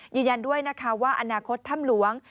ยืนยันด้วยนะคะว่าอนาคตถ้ำหลวง